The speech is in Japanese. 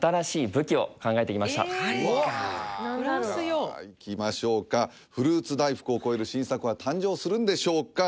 じゃあいきましょうかフルーツ大福を超える新作は誕生するんでしょうか？